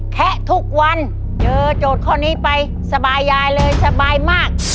แคะทุกวันเจอโจทย์ข้อนี้ไปสบายยายเลยสบายมาก